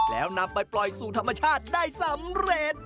แล้วนำไปปล่อยสู่ธรรมชาติได้สำเร็จ